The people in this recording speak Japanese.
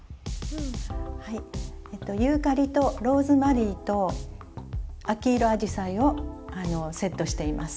はいユーカリとローズマリーと秋色あじさいをセットしています。